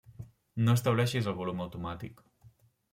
No estableixis el volum automàtic.